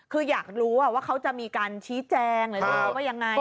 คืออยากรู้ว่าเขาจะมีการชี้แจงหรือรู้เขาว่ายังไง